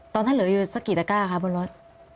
ตอนนั้นเหลืออยู่สักกี่ตะก้าคะบนรถ